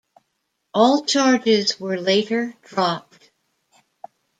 All charges were later dropped.